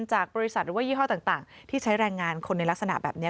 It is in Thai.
จากบริษัทหรือว่ายี่ห้อต่างที่ใช้แรงงานคนในลักษณะแบบนี้